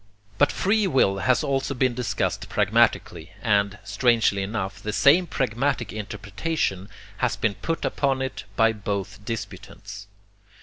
But free will has also been discussed pragmatically, and, strangely enough, the same pragmatic interpretation has been put upon it by both disputants.